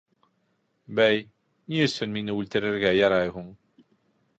— Бәй, ни өсөн мине үлтерергә ярай һуң?